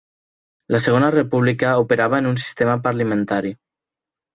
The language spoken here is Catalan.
La Segona República operava en un sistema parlamentari.